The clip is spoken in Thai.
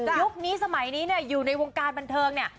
ยุคนี้สมัยนี้เนี่ยอยู่ในวงการบันเทิงเนี่ย